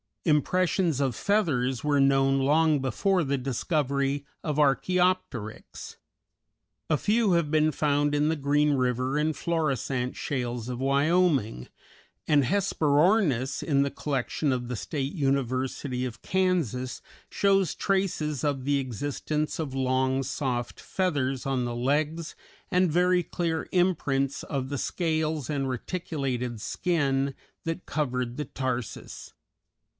Impressions of feathers were known long before the discovery of Archæopteryx; a few have been found in the Green River and Florissant shales of Wyoming, and a Hesperornis in the collection of the State University of Kansas shows traces of the existence of long, soft feathers on the legs and very clear imprints of the scales and reticulated skin that covered the tarsus.